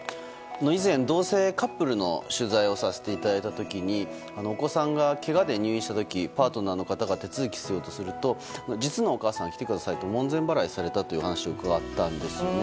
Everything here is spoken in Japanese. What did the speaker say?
以前、同性カップルの取材をさせていただいた時にお子さんがけがで入院した時パートナーの方が手続きしようとすると実のお母さんが来てくださいと門前払いされたと伺ったんですよね。